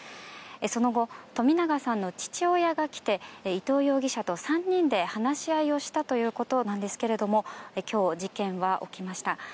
その後、冨永さんの父親が来て伊藤容疑者と３人で話し合いをしたということなんですが今日、事件は起きました。